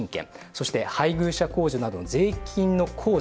そして配偶者控除などの税金の控除。